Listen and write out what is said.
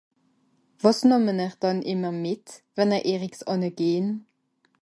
Wàs nàmme'n ihr dànn ìmmer mìt wenn'r ìrigs ànnegehn ?